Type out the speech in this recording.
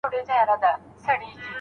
د فرهادي فکر څښتن تاته په تا وايي